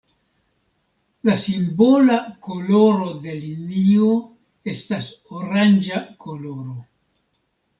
La simbola koloro de linio estas oranĝa koloro.